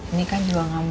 ini kan juga gak mau